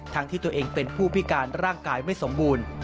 ที่ตัวเองเป็นผู้พิการร่างกายไม่สมบูรณ์